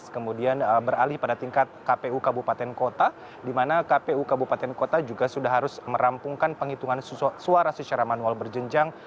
kemudian beralih pada tingkat kpu kabupaten kota di mana kpu kabupaten kota juga sudah harus merampungkan penghitungan suara secara manual berjenjang